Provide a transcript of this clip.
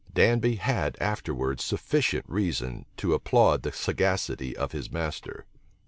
Danby had afterwards sufficient reason to applaud the sagacity of his master.